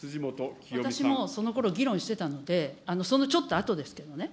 私もう、そのころ議論してたので、そのちょっとあとですけどね。